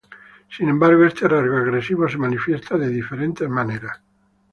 Sin embargo, este rasgo agresivo se manifiesta de diferentes maneras.